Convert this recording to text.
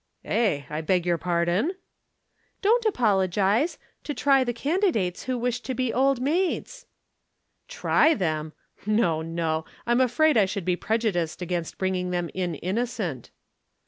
"Eh! I beg your pardon?" "Don't apologize; to try the candidates who wish to be Old Maids." "Try them! No, no! I'm afraid I should be prejudiced against bringing them in innocent."